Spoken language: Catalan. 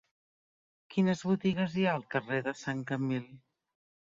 Quines botigues hi ha al carrer de Sant Camil?